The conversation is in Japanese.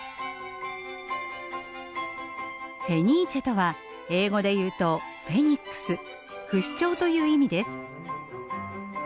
フェニーチェとは英語で言うとフェニックス不死鳥という意味です。